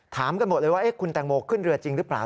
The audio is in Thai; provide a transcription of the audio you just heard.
กันหมดเลยว่าคุณแตงโมขึ้นเรือจริงหรือเปล่า